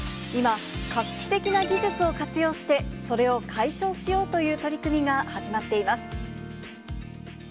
今、画期的な技術を活用して、それを解消しようという取り組みが始まっています。